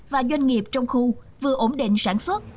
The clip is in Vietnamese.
và doanh nghiệp trong khu vừa ổn định sản xuất